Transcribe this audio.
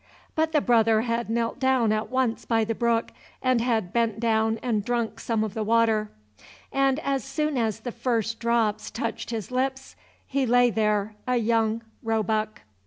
But the brother had knelt down at once by the brook, and had bent down and drunk some of the water, and as soon as the first drops touched his lips he lay there a young roebuck.